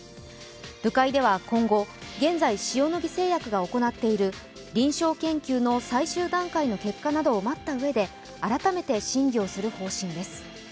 部会では今後、現在、塩野義製薬が行っている臨床研究の最終段階の結果などを待ったうえで改めて審議をする方針です。